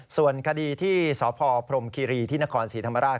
ส่วนคดีที่สพพรมคิรีที่นครศรีธรรมราช